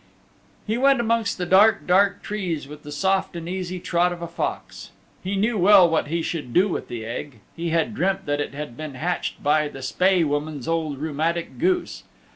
He went amongst the dark, dark trees with the soft and easy trot of a Fox. He knew well what he should do with the Egg. He had dreamt that it had been hatched by the Spae Woman's old rheumatic goose.